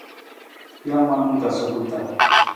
Jee wanung ka sukul taa.